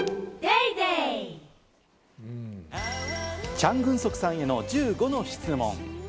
チャン・グンソクさんへの１５の質問。